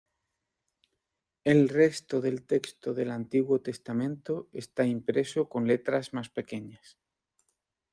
El resto del texto del Antiguo Testamento está impreso con letras más pequeñas.